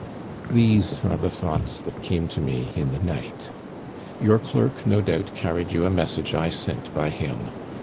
"These are the thoughts that came to me in the night. Your clerk, no doubt, carried you a message I sent by him.